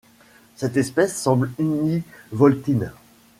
Cette espèce semble univoltine.